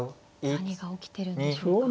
何が起きてるんでしょうか。